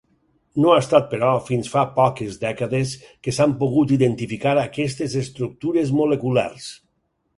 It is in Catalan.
No ha estat, però, fins fa poques dècades que s'han pogut identificar aquestes estructures moleculars.